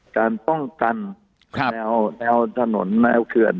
การต้องกันครับแนวแนวถนนแนวเขื่อน